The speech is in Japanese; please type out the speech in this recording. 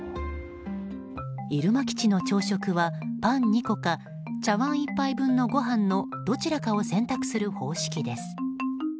入間基地の朝食はパン２個か茶わん１杯分のご飯のどちらかを選択する方式です。